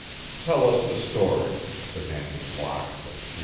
"Tell us the story," demanded Locke of Q.